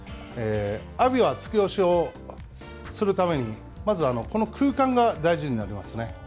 阿炎は突き押しをするために、まずこの空間が大事になりますね。